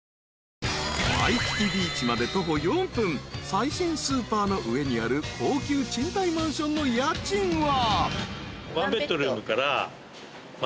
［最新スーパーの上にある高級賃貸マンションの家賃は］